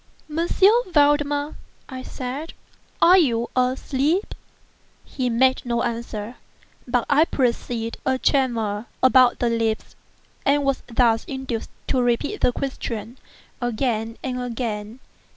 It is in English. "M. Valdemar," I said, "are you asleep?" He made no answer, but I perceived a tremor about the lips, and was thus induced to repeat the question, again and again.